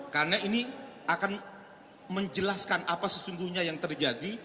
karena ini akan menjelaskan apa sesungguhnya yang terjadi